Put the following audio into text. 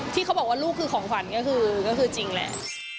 ที่เขาบอกว่าลูกคือของขวัญก็คือจริงแหละ